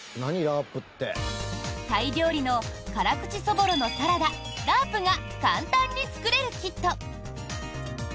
タイ料理の辛口そぼろのサラダラープが簡単に作れるキット。